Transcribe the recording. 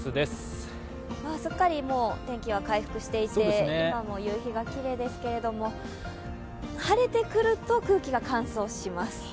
すっかり天気は回復していて、今も夕日がきれいですけれども、晴れてくると空気が乾燥します。